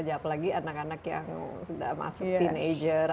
apalagi anak anak yang sudah masuk teenager